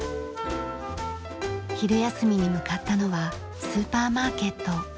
昼休みに向かったのはスーパーマーケット。